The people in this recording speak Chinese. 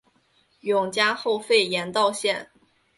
永嘉后废严道县。